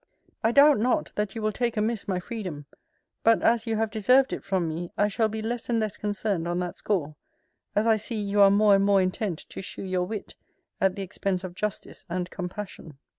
I doubt not, that you will take amiss my freedom: but as you have deserved it from me, I shall be less and less concerned on that score, as I see you are more and more intent to shew your wit at the expense of justice and compassion.